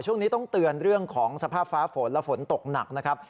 ช่วงนี้ต้องเตือนเรื่องของสภาพฟ้าฝนและฝนตกหนักนะครับ